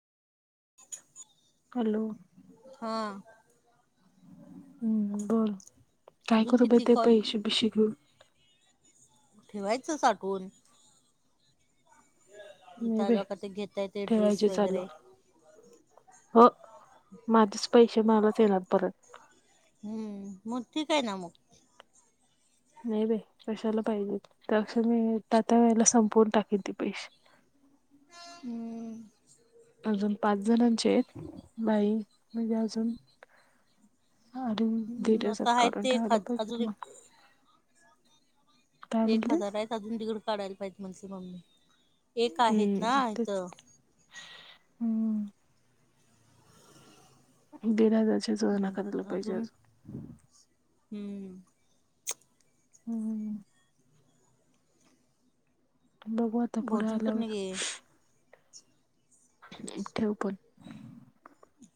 Hello हा हम्म बरं काय अजून करू गं किती ते कॉल पैशे बिशे घेऊन. ठेवायचं साठवून इथं नाही बाई आलं की कायतर घेता येते ड्रेस ठेवायचे चालू वगैरे हो माझेच पैसे मलाच येणार परत हम्म मग ठीक आहे ना मग. नाही बाई कशाला पाहिजे तरं मी त्या त्या वेळेला संपवून टाकेन ते पैसे हम् अजून पाच जणांचे आहेत बाई म्हणजे अजून आणि दि आता दिसात आहेत करून ते एक ठेवायला हज अजून पाहिजे मग. एक काय एक हजार म्हणलीस आहेत अजून दिड काढायला पाहिजे म्हटली मम्मी एक आहेत ना हम्म तेच इथं. हम्म. दीड हजारची जुलना करायला पाहिजे अजून आज. हम्म. हम्. बघू आता पुढे भोजन आल्यावर करणे गे ठेव पण